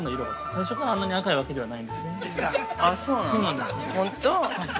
最初からあんなに赤いわけではないんですよね。